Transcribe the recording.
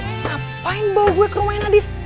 ngapain bawa gue ke rumahnya nadif